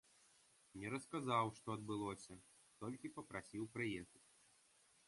Не расказаў, што адбылося, толькі папрасіў прыехаць.